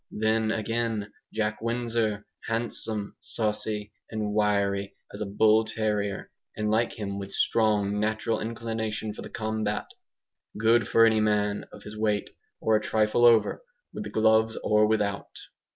Then, again, Jack Windsor, handsome, saucy, and wiry as a bull terrier and like him with strong natural inclination for the combat; good for any man of his weight, or a trifle over, with the gloves or without.